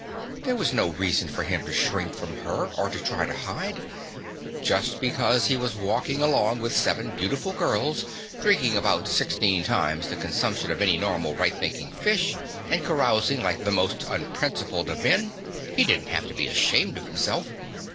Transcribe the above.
There was no reason for him to shrink from her, or try to hide. Just because he was walking along with seven beautiful girls, drinking about sixteen times the consumption of any normal right thinking fish, and carousing like the most unprincipled of men, he didn't have to be ashamed of himself.